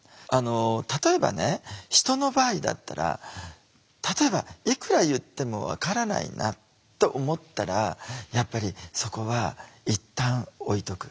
例えばね人の場合だったら例えば「いくら言っても分からないな」と思ったらやっぱりそこはいったん置いとく。